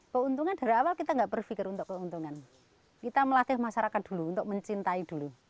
keuntungan dari awal kita nggak berpikir untuk keuntungan kita melatih masyarakat dulu untuk mencintai dulu